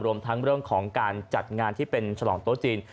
รวมทั้งเรื่องของการจัดงานที่เป็นฉลองโต๊ะจีน